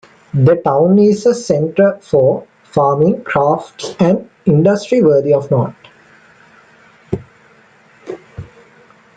The town is a centre for farming, crafts and industry worthy of note.